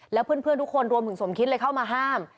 แล้วเพื่อนทุกคนรวมถึงสมคิดเลยเข้ามาห้าม